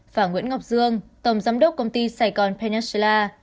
và nguyễn ngọc dương tổng giám đốc công ty sài gòn pena